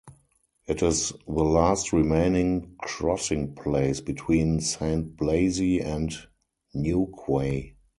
It is the last remaining 'crossing place' between Saint Blazey and Newquay.